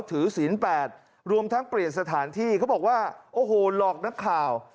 ถือศีลแปดรวมทั้งเปลี่ยนสถานที่เขาบอกว่าโอ้โหหลอกนักข่าว